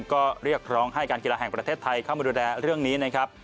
ก็เรียกร้องให้การกีฬาแห่งประเทศไทยเข้ามาดูแลเรื่องนี้นะครับ